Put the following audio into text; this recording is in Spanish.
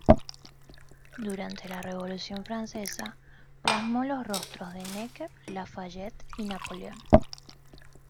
Durante la Revolución francesa, plasmó los rostros de Necker, Lafayette y Napoleón.